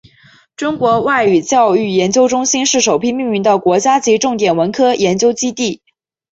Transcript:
中国外语教育研究中心是首批命名的国家级重点文科研究基地。